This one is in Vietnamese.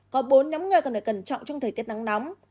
có bốn nhóm người còn phải cẩn trọng trong thời tiết nắng nóng